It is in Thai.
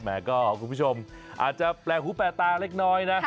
คุณผู้ชมอาจจะแปลกหูแปลกตาเล็กน้อยนะ